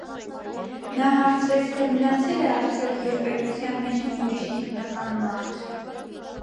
Նա հարցրեց, թե մնացե՞լ է արդյոք յուր պետության մեջ մի ուրիշ գիտնական մարդ: